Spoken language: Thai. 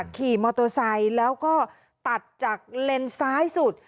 ขี่มอเตอร์ไซค์แล้วก็ตัดจากเลนซ้ายสุด